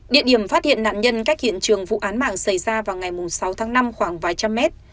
địa điểm phát hiện nạn nhân cách hiện trường vụ án mạng xảy ra vào ngày sáu tháng năm khoảng vài trăm mét